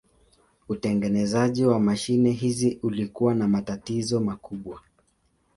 Utengenezaji wa mashine hizi ulikuwa na matatizo makubwa.